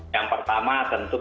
yang pertama tentu kita